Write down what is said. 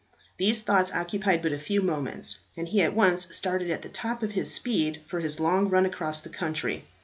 These thoughts occupied but a few moments, and he at once started at the top of his speed for his long run across the country.